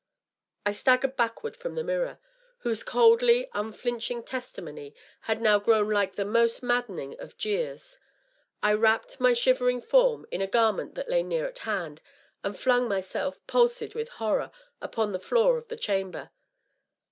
I staggered backward from the mirror, whose coldly unflinching testimony had now grown like the most maddening of jeers. I wrapped my shivering form in a garment that lay near at hand, and flung myself, palsied with horror, upon the floor of the chamber